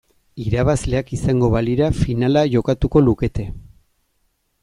Irabazleak izango balira finala jokatuko lukete.